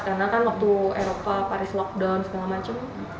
karena kan waktu eropa paris lockdown semuanya macam